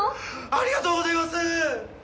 ありがとうございます！